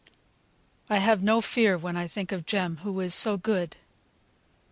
I have no fear when I think of Jem, who is so good."